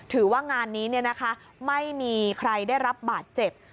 ถือว่างานนี้ไม่มีใครได้รับบาดเจ็บ